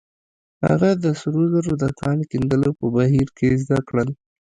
هغه د سرو زرو د کان د کیندلو په بهير کې زده کړل.